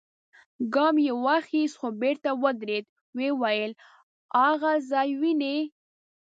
ګام يې واخيست، خو بېرته ودرېد، ويې ويل: هاغه ځای وينې؟